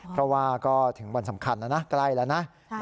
เพราะว่าก็ถึงวันสำคัญแล้วนะใกล้แล้วนะ